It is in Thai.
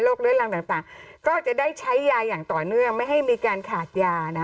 เรื้อรังต่างก็จะได้ใช้ยาอย่างต่อเนื่องไม่ให้มีการขาดยานะ